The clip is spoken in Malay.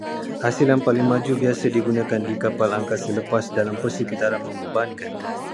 Hasilan paling maju biasa digunakan di kapal angkasa lepas dalam persekitaran membebankan